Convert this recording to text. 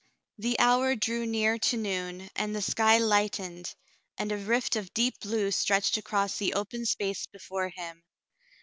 The hour drew near to noon and the sky lightened and a rift of deep blue stretched across the open space before him.